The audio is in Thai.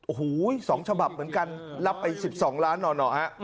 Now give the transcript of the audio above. โอ้โห๒ฉบับเหมือนกันรับไป๑๒ล้านหน่อฮะ